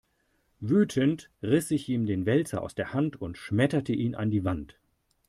Wütend riss ich ihm den Wälzer aus der Hand und schmetterte ihn an die Wand.